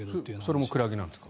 それもクラゲなんですか？